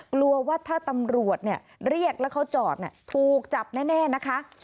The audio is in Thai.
กลัวว่าถ้าตำรวจเรียกแล้วเขาจอดถูกจับแน่นะคะ